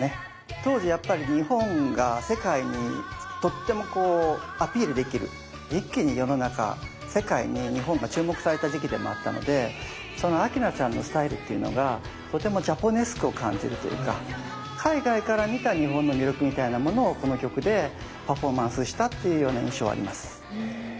当時やっぱり日本が世界にとってもこうアピールできる一気に世の中世界に日本が注目された時期でもあったのでその明菜ちゃんのスタイルっていうのがとてもジャポネスクを感じるというか海外から見た日本の魅力みたいなものをこの曲でパフォーマンスしたっていうような印象はあります。